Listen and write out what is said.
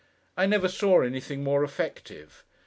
I never saw anything more effective.